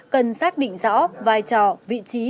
cần xác định rõ vai trò vị trí